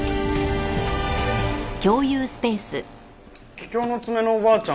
桔梗の爪のおばあちゃん